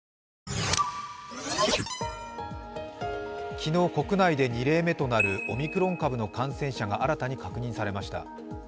昨日、国内で２例目となるオミクロン株の感染者が新たに確認されました。